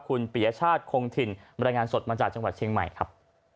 คุณปียชาติคงถิ่นบรรยายงานสดมาจากจังหวัดเชียงใหม่ครับ